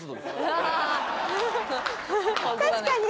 確かに！